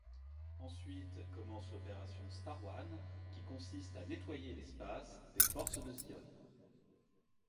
Ensuite commence l'opération Star One, qui consiste à nettoyer l'espace des forces de Zeon.